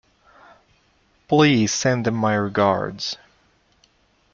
Please send them my regards.